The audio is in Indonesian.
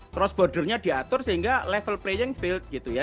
cross bordernya diatur sehingga level playing field gitu ya